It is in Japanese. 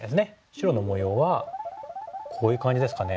白の模様はこういう感じですかね。